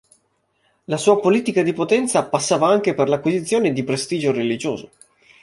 La sua politica di potenza passava anche per l'acquisizione di prestigio religioso.